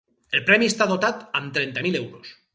El premi està dotat amb trenta mil euros.